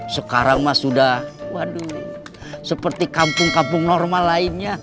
sekarang mas sudah waduh seperti kampung kampung normal lainnya